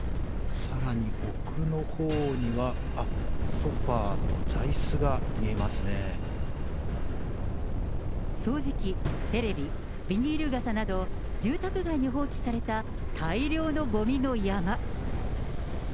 さらに奥のほうには、あっ、掃除機、テレビ、ビニール傘など、住宅街に放置された大量のごみの山。